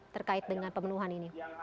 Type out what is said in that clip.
terkait dengan pemenuhan ini